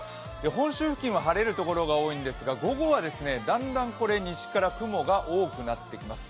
本州付近は晴れる所が多いんですが午後はだんだん西から雲が多くなっていきます。